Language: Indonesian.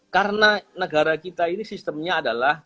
karena negara kita ini sistemnya adalah